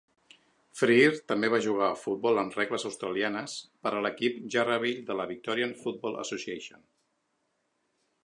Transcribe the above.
Freer també va jugar a futbol amb regles australianes per a l'equip Yarraville de la Victorian Football Association.